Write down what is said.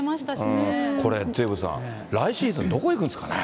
これデーブさん、来シーズンどこ行くんですかね。